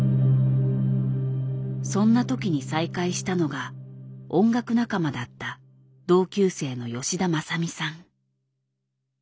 そんなときに再会したのが音楽仲間だった同級生の吉田政美さん。